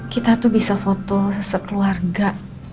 kita tuh bisa foto sekeluarga